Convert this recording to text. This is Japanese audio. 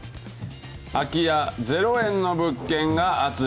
空き家０円の物件が熱い？